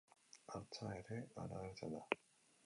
Hartza ere han agertzen da.